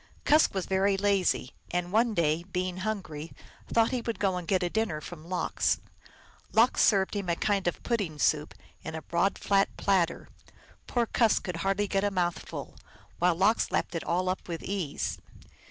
Kusk was very lazy, and one day, being hungry, thought he would go and get a dinner from Lox. Lox served him a kind of pudding soup in a broad, flat platter. Poor Kusk could hardly get a mouthful, while Lox lapped it all up with ease.